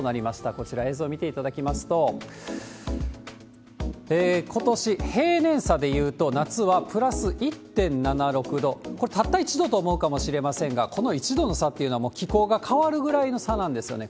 こちら、映像見ていただきますと、ことし平年差でいうと、夏はプラス１．７６度、これ、たった１度と思うかもしれませんが、この１度の差っていうのは、もう気候が変わるぐらいの差なんですよね。